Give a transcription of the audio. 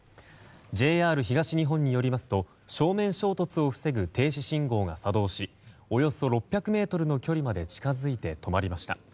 ＪＲ東日本によりますと正面衝突を防ぐ停止信号が作動しおよそ６００ｍの距離まで近づいて止まりました。